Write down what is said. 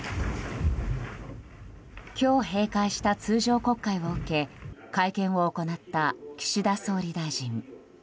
今日、閉会した通常国会を受け会見を行った岸田総理大臣。